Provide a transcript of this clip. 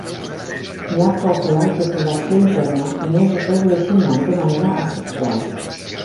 Hi ha còpula i fecundació interna i no es reproduïxen mai de manera asexual.